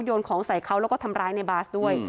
นของใส่เขาแล้วก็ทำร้ายในบาสด้วย